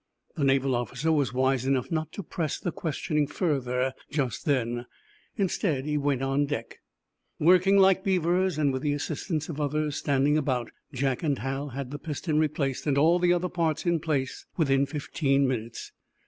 The naval officer was wise enough not to press the questioning further just then. Instead, he went on deck. Working like beavers, and with the assistance of others standing about, Jack and Hal had the piston replaced and all the other parts in place within fifteen minutes.